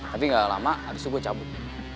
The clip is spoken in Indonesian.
tapi gak lama abis itu gue cabut